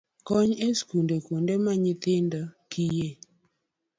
Kony e skunde, kuonde ma nyithind kiye